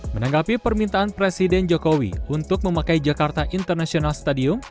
menanggapi permintaan presiden jokowi untuk memakai jakarta international stadium